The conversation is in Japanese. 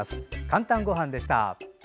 「かんたんごはん」でした。